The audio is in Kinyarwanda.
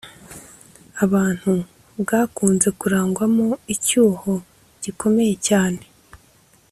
abantu bwakunze kurangwamo icyuho gikomeye cyane